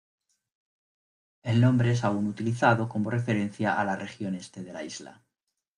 El nombre es aún utilizado como referencia a la región este de la isla.